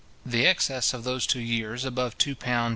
The excess of those two years above £ 2:10s.